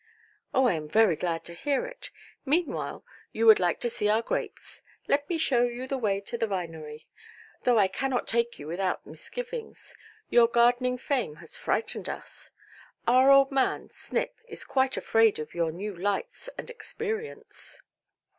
"Oh, I am very glad to hear it. Meanwhile, you would like to see our grapes. Let me show you the way to the vinery; though I cannot take you without misgivings. Your gardening fame has frightened us. Our old man, Snip, is quite afraid of your new lights and experience".